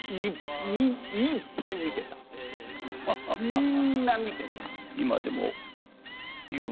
みんな見てた。